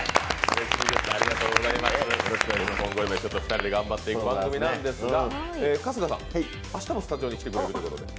２人で頑張っていく番組なんですが春日さん、明日もスタジオに来てくれるということで？